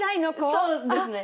そうですね。